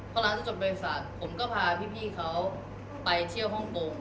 พอหลังจากจบบริษัทผมก็พาพี่เขาไปเที่ยวฮ่องกง